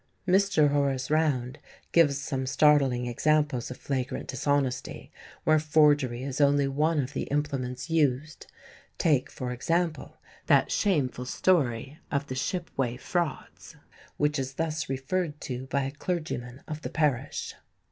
Mr Horace Round gives some startling examples of flagrant dishonesty, where forgery is only one of the implements used. Take, for example, that shameful story of the "Shipway frauds," which is thus referred to by a clergyman of the parish.